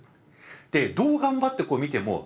でどう頑張ってこう見ても。